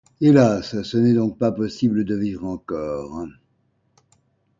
Hélas! ce n’est donc pas possible de vivre encore !